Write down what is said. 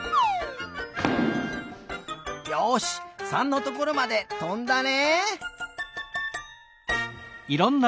よし３のところまでとんだねえ。